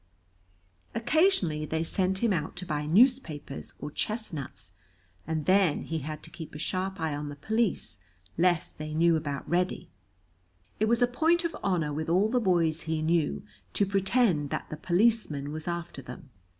Occasionally they sent him out to buy newspapers or chestnuts, and then he had to keep a sharp eye on the police lest they knew about Reddy. It was a point of honor with all the boys he knew to pretend that the policeman was after them.